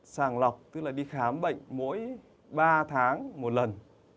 sàng lọc tức là đi khám bệnh mỗi ba tháng một lần